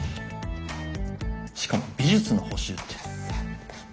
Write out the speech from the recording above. しかも美術の補習って。